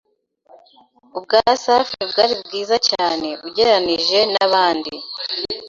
ubwa Safi bwari bwiza cyane ugereranije n’abandi